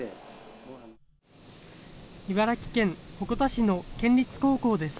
茨城県鉾田市の県立高校です。